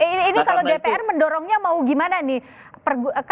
ini kalau dpr mendorongnya mau gimana nih